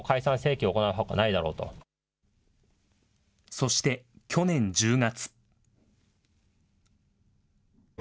そして去年１０月。